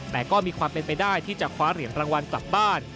แต่ก็มีความเป็นไปได้ที่จะคว้าเหรียญรางวัลกลับบ้าน